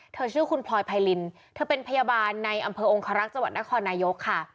เธอชื่อคุณพลอยไพรินเธอเป็นพยาบาลในอำเภอองคารักษ์จังหวัดนครนายกค่ะ